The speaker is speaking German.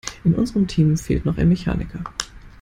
In unserem Team fehlt noch ein Mechaniker.